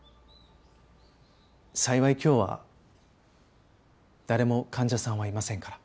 幸い今日は誰も患者さんはいませんから。